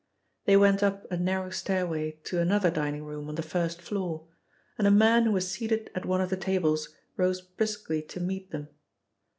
They went up a narrow stairway to another dining room on the first floor, and a man who was seated at one of the tables rose briskly to meet them.